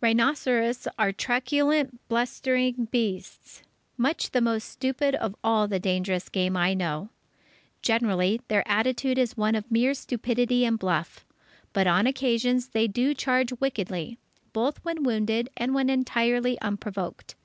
Rhinoceros are truculent, blustering beasts, much the most stupid of all the dangerous game I know. Generally their attitude is one of mere stupidity and bluff. But on occasions they do charge wickedly, both when wounded and when entirely unprovoked.